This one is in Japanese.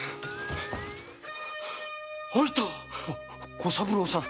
小三郎さん。